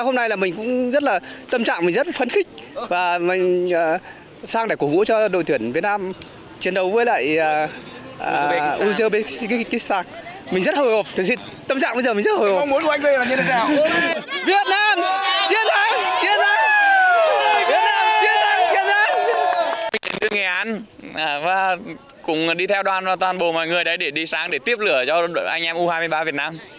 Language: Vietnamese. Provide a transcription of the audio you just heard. mình đến từ nghệ an và cùng đi theo đoàn toàn bộ mọi người đấy để đi sang để tiếp lửa cho đội anh em u hai mươi ba việt nam